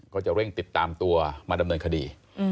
ก็จะเร่งติดตามตัวมาดำเนินคดี